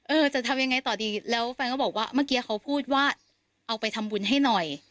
จะทำยังไงต่อดีแล้วแฟนก็บอกว่าเมื่อกี้เขาพูดว่าเอาไปทำบุญให้หน่อย